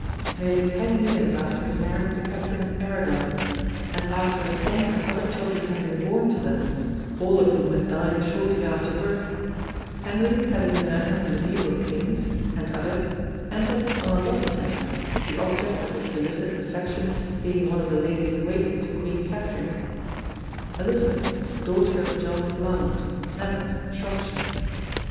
Nearly ten years after his marriage to Catherine of Aragon and after a son and other children had been born to them, all of whom had died shortly after birth, Henry had in the manner of mediæval kings and others entered on a love affair, the object of his illicit affection being one of the ladies in waiting to Queen Catherine, Elizabeth, daughter of John Blount of Knevet, Shropshire.